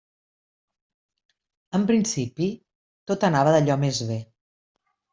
En principi tot anava d'allò més bé.